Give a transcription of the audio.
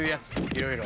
いろいろ。